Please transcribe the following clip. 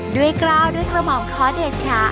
ด้วยกล้าวด้วยขระหมองขอเดชค่ะ